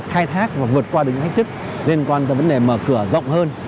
thay thác và vượt qua những thách thức liên quan tới vấn đề mở cửa rộng hơn